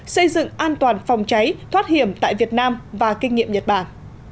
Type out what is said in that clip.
xây dựng an toàn phòng cháy thoát hiểm tại việt nam và kinh nghiệm nhật bản